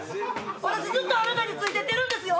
私ずっとあなたについてってるんですよ。